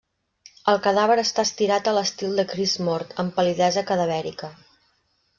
El cadàver està estirat a l'estil de Crist mort, amb pal·lidesa cadavèrica.